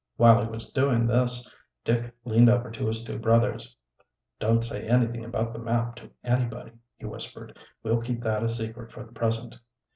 While he was doing this Dick leaned over to his two brothers. "Don't say anything about the map to anybody," he whispered. "We'll keep that a secret for the present."